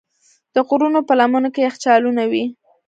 د غرونو په لمنو کې یخچالونه وي.